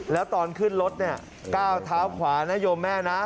แล้วตอนขึ้นรถเนี่ยก้าวเท้าขวานะโยมแม่นะ